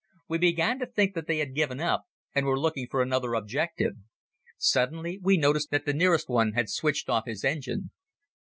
We began to think that they had given up and were looking for another objective. Suddenly we noticed that the nearest one had switched off his engine.